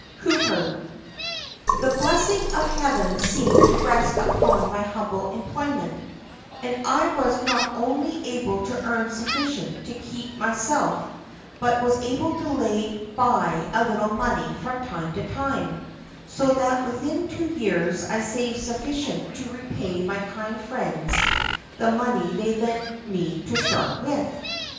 —COWPER. "The blessing of Heaven seemed to rest upon my humble employment, and I was not only able to earn sufficient to keep myself, but was able to lay by a little money from time to time, so that within two years I saved sufficient to repay my kind friends the money they had lent me to start with.